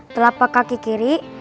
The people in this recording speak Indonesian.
telapak kaki kiri